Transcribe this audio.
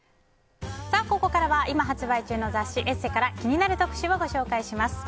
ここからは今発売中の雑誌「ＥＳＳＥ」から気になる特集をご紹介します。